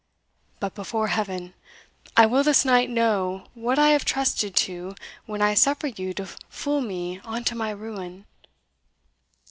But, before Heaven! I will this night know what I have trusted to when I suffered you to fool me on to my ruin!